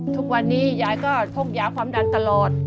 ทุกวันนี้ยายก็พกยาความดันตลอด